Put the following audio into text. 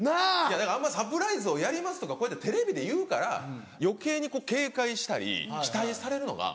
だからサプライズをやりますとかこうやってテレビで言うから余計に警戒したり期待されるのが。